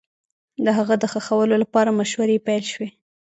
د هغه د ښخولو لپاره مشورې پيل سوې